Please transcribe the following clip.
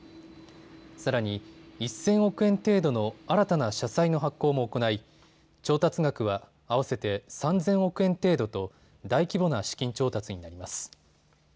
さらに１０００億円程度の新たな社債の発行も行い、調達額は合わせて３０００億円程度と大規模な資金調達になります。